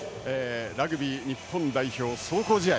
ラグビー日本代表、壮行試合